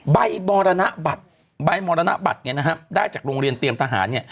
ใบมรณบัตรใบมรณบัตรได้จากโรงเรียนเตรียมทหาร